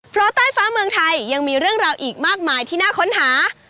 เพราะใต้ฟ้าเมืองไทยยังมีเรื่องราวอีกมากมายที่น่าค้นหา